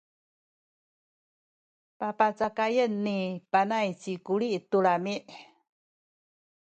papacakayen ni Panay ci Kuli tu lami’.